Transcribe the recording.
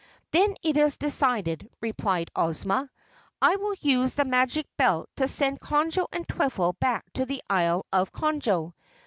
"Then it is decided," replied Ozma. "I will use the Magic Belt to send Conjo and Twiffle back to the Isle of Conjo.